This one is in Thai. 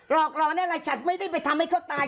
อกร้อนอะไรฉันไม่ได้ไปทำให้เขาตาย